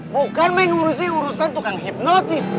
bukan mengurusi urusan tukang hipnotis